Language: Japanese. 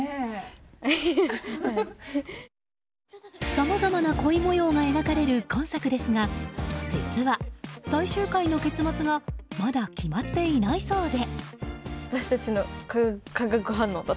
さまざまな恋模様が描かれる今作ですが実は、最終回の結末がまだ決まっていないそうで。